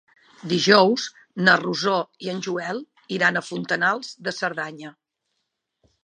Dijous na Rosó i en Joel iran a Fontanals de Cerdanya.